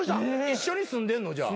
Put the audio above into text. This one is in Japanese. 一緒に住んでんの？